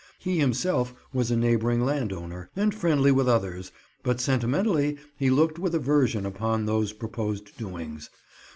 He himself was a neighbouring landowner, and friendly with others, but sentimentally, he looked with aversion upon those proposed doings.